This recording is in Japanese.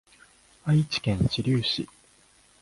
愛知県知立市